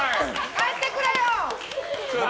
帰ってくれよ！